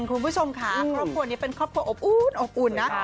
คุณผู้ชมค่ะครอบครัวนี้เป็นครอบครัวอบอุ่นอบอุ่นนะ